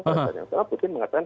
dan yang salah putin mengatakan